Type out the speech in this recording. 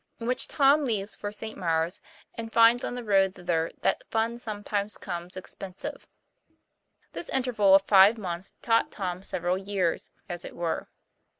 IN WHICH TOM LEAVES FOR ST. MAURES, AND FINDS ON THE ROAD THITHER THAT FUN SOMETIMES COMES EXPENSIVE. interval of five months taught Tom several 1 years, as it were.